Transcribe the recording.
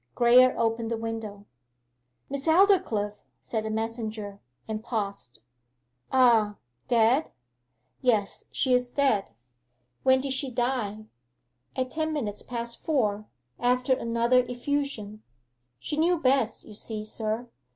Graye opened the window. 'Miss Aldclyffe....' said the messenger, and paused. 'Ah dead?' 'Yes she is dead.' 'When did she die?' 'At ten minutes past four, after another effusion. She knew best, you see, sir.